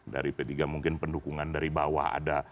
dari p tiga mungkin pendukungan dari bawah ada